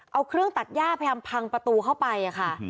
เอาเครื่องตัดย่าพยายามพังประตูเข้าไปค่ะ